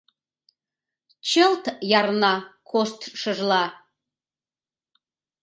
Чылт ярна коштшыжла.